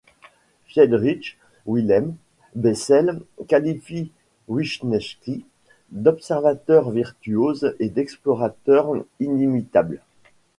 Friedrich Wilhelm Bessel qualifie Vichnevski d'observateur virtuose et d'explorateur inimitable.